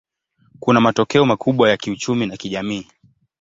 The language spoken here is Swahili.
Kuna matokeo makubwa ya kiuchumi na kijamii.